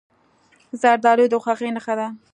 زردالو د خوښۍ نښه ده.